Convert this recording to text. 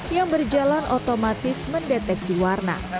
yang berjalan otomatis mendeteksi warna